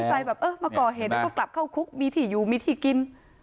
ใจแบบเออมาก่อเหตุแล้วก็กลับเข้าคุกมีที่อยู่มีที่กิน